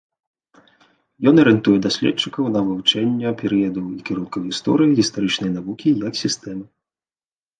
Ён арыентуе даследчыка на вывучэнне перыядаў і кірункаў гісторыі гістарычнай навукі як сістэмы.